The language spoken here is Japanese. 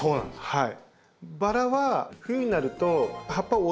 はい。